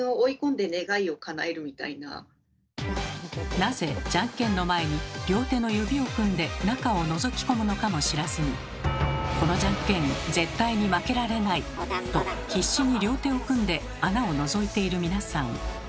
なぜじゃんけんの前に両手の指を組んで中をのぞき込むのかも知らずにこのじゃんけん絶対に負けられないと必死に両手を組んで穴をのぞいている皆さん。